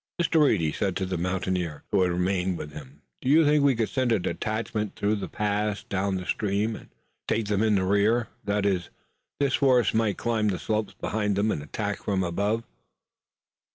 "Mr. Reed," he said to the mountaineer, who had remained with him, "do you think we could send a detachment through the pass down the stream and take them in the rear? That is, this force might climb the slopes behind them, and attack from above?"